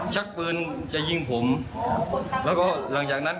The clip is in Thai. ชักปืนจะยิงผมแล้วก็หลังจากนั้น